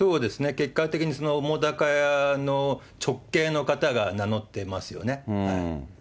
結果的にその澤瀉屋の直系の方が名乗ってますよね。